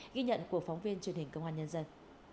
ghi nhận của phóng viên truyền hình công an nhân dân